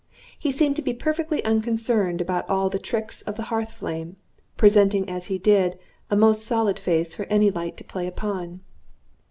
He seemed to be perfectly unconcerned about all the tricks of the hearth flame, presenting as he did a most solid face for any light to play upon.